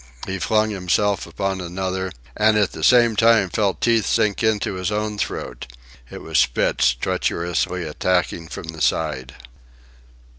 He flung himself upon another, and at the same time felt teeth sink into his own throat. It was Spitz, treacherously attacking from the side.